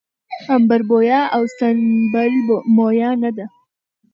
عنبربويه او سنبل مويه نه ده